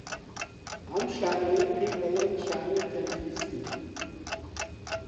ئەم شانۆییە پێی دەڵێن شانۆی تەنفیسی